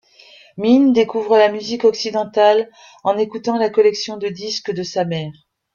Mine découvre la musique occidentale en écoutant la collection de disques de sa mère.